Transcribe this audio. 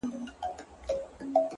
• يو په يو يې لوڅېدله اندامونه,